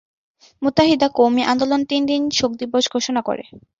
মুত্তাহিদা কওমি আন্দোলন তিন দিন শোক দিবস ঘোষণা করে।